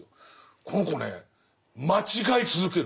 この子ね間違い続けるんです。